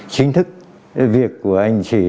chính thức việc của anh chị